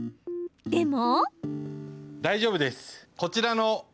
でも。